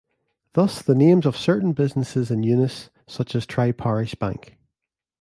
Thus the names of certain businesses in Eunice, such as Tri-Parish Bank.